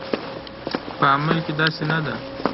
په عمل کې داسې نه ده